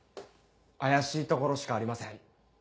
怪しいところしかありません。